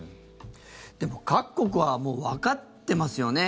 でも各国はもうわかってますよね。